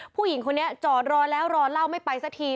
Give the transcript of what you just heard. ผู้หญิงคนนี้จอดรอแล้วรอเล่าไม่ไปสักที